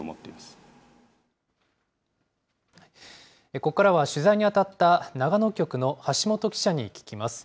ここからは、取材に当たった長野局の橋本記者に聞きます。